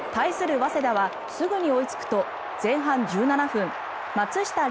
早稲田はすぐに追いつくと、前半１７分松下怜